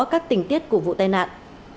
các tình tiết của vụ tai nạn